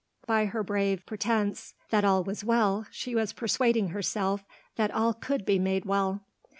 By her brave pretence that all was well she was persuading herself that all could be made well.